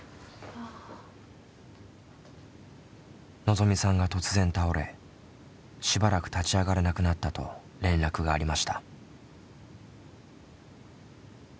のぞみさんが突然倒れしばらく立ち上がれなくなったと連絡がありました。